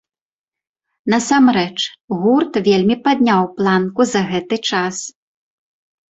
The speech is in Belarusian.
Насамрэч, гурт вельмі падняў планку за гэты час.